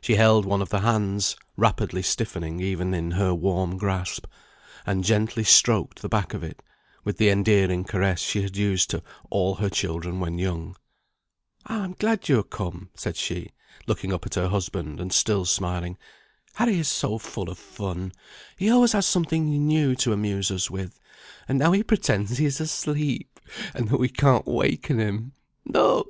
She held one of the hands (rapidly stiffening, even in her warm grasp), and gently stroked the back of it, with the endearing caress she had used to all her children when young. "I am glad you are come," said she, looking up at her husband, and still smiling. "Harry is so full of fun, he always has something new to amuse us with; and now he pretends he is asleep, and that we can't waken him. Look!